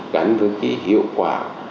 gắn với cái hiệu quả